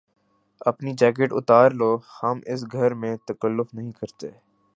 اپنی جیکٹ اتار لو۔ ہم اس گھر میں تکلف نہیں کرتے